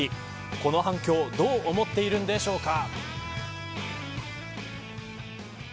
この反響どう思っているんでしょうか。